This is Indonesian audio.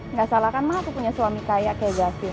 nggak salah kan mah aku punya suami kayak gasin